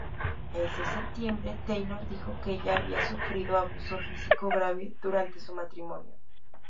Ese septiembre, Taylor dijo que ella había sufrido abuso físico grave durante su matrimonio.